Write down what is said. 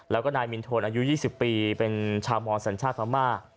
แล้วก็นายมินโทนอายุยี่สิบปีเป็นชาวมอลสัญชาติธรรมนา